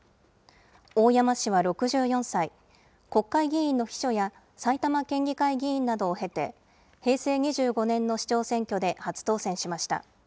大山氏は６４歳、国会議員の秘書や埼玉県議会議員などを経て、平成２５年の市長選挙で初当選しました。